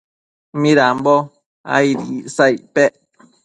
midambo aid icsa icpec ?